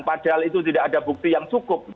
padahal itu tidak ada bukti yang cukup